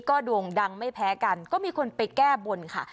ก็โด่งดังไม่แพ้กันก็มีคนไปแก้บนค่ะ